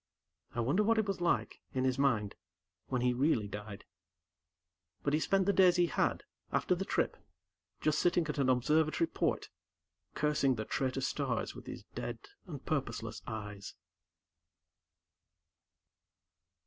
I wonder what it was like, in his mind, when he really died. But he spent the days he had, after the trip, just sitting at an observatory port, cursing the traitor stars with his dead and purposeless eyes.